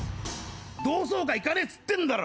同窓会行かねえっつってんだろ。